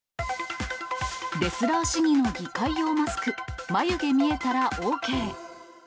レスラー市議の議会用マスク、眉毛見えたらＯＫ。